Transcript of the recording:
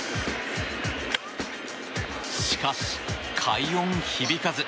しかし、快音響かず。